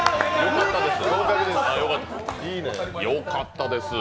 よかったです。